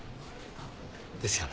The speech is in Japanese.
ですよね。